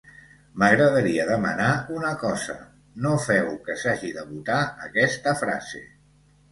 M'agradaria demanar una cosa: no feu que s'hagi de votar aquesta frase.